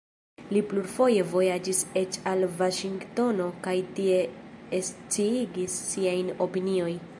Li plurfoje vojaĝis eĉ al Vaŝingtono kaj tie sciigis siajn opinioj.